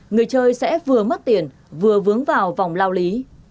người chơi sẽ vừa mất tiền vừa vướng vào vòng lao lý